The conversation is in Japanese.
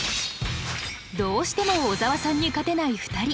どうしても小沢さんに勝てない２人。